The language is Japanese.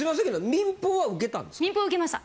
民放受けました。